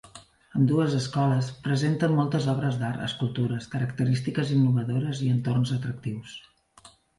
Ambdues escoles presenten moltes obres d'art, escultures, característiques innovadores i entorns atractius.